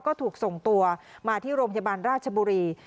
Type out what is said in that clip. ก็ถูกส่งตัวมาที่โรงพยาบาลราชบุรี